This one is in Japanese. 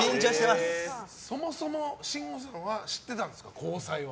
そもそもＳＨＩＮＧＯさんは知っていたんですか、交際は。